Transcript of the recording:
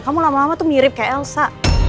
kamu lama lama tuh mirip kayak elsa